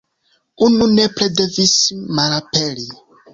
Unu nepre devis malaperi."".